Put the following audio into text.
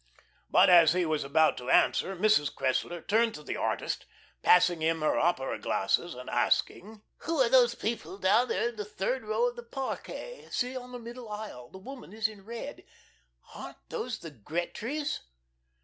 But as he was about to answer, Mrs. Cressler turned to the artist, passing him her opera glasses, and asking: "Who are those people down there in the third row of the parquet see, on the middle aisle the woman is in red. Aren't those the Gretrys?"